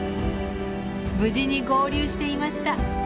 無事に合流していました。